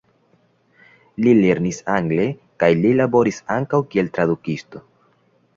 Li lernis angle kaj li laboris ankaŭ, kiel tradukisto.